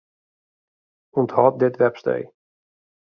Unthâld dit webstee.